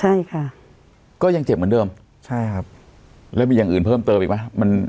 ใช่ค่ะก็ยังเจ็บเหมือนเดิมใช่ครับแล้วมีอย่างอื่นเพิ่มเติมอีกไหมมัน